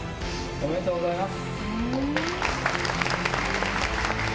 おめでとうございます。